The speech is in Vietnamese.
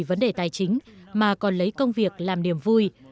có những người làm việc mà không phải việc vấn đề tài chính mà còn lấy công việc làm niềm vui